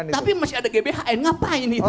tapi masih ada gbhn ngapain itu